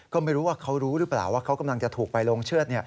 ก็ไม่รู้ว่าเขารู้หรือเปล่าว่าเขากำลังจะถูกไปลงเชื่อด